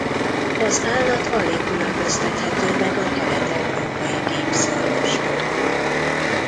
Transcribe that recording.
Az állat alig különböztethető meg a kelet-európai gímszarvastól.